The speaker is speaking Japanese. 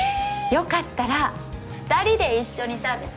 良かったら２人で一緒に食べて。